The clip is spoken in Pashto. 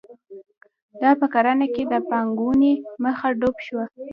دا په کرنه کې د پانګونې مخه ډپ شوه.